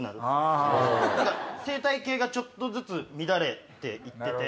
生態系がちょっとずつ乱れて行ってて。